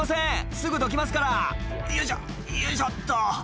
すぐどきますからよいしょよいしょっと」